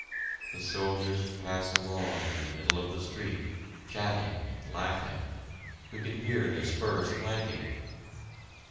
The soldiers passed along the middle of the street, chatting and laughing; we could hear their spurs clanking!